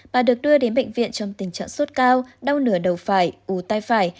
bà được đưa đến bệnh viện trong tình trạng suốt cao đau nửa đầu phải ú tai phải